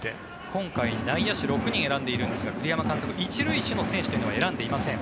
今回、内野手６人選んでいるんですが栗山監督、１塁手の選手は選んでいません。